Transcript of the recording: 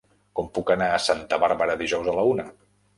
Com puc anar a Santa Bàrbara dijous a la una?